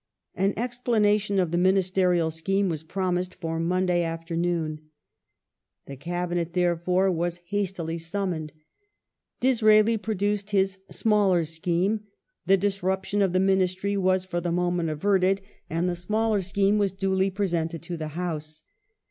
An explanation of the ministerial scheme was promised for Monday afternoon. The Cabinet, therefore, was hastily summoned. Dis raeli produced his " smaller scheme "; the disruption of the Ministry was, for the moment averted, and the smaller scheme was duly presented to the House.